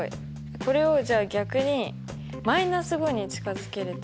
これをじゃあ逆に−５に近づけると。